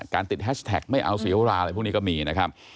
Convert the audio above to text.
ติดแฮชแท็กไม่เอาเสียวราอะไรพวกนี้ก็มีนะครับ